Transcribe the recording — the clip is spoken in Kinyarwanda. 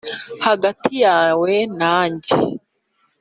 hagati yawe na njye